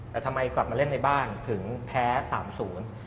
แต่ทำไมกลับมาเล่นในบ้านถึงแพ้สามศูนย์